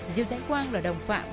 diêu giãnh quang là đồng phạm